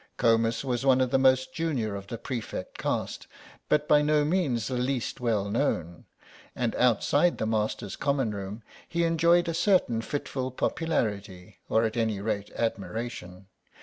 Comus was one of the most junior of the prefect caste, but by no means the least well known, and outside the masters' common room he enjoyed a certain fitful popularity, or at any rate admiration.